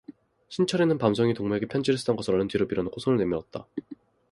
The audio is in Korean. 신철이는 밤송이 동무에게 편지 쓰던 것을 얼른 뒤로 밀어 놓고 손을 내밀었다.